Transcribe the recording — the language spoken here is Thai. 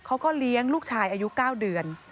เขาก็เลี้ยงลูกชายอายุ๙เดือน